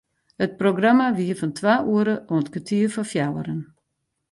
It programma wie fan twa oere oant kertier foar fjouweren.